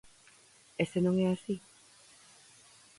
E se non é así?